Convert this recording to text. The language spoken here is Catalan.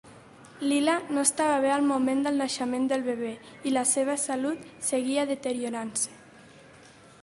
Lila no estava bé al moment del naixement del bebè, i la seva salud seguia deteriorant-se.